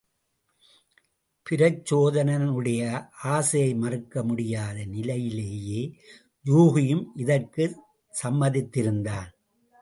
பிரச்சோதனனுடைய ஆசையை மறுக்க முடியாத நிலையிலேயே யூகியும் இதற்குச் சம்மதித்திருந்தான்.